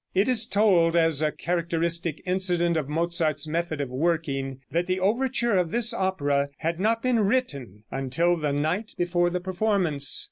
It is told, as a characteristic incident of Mozart's method of working, that the overture of this opera had not been written until the night before the performance.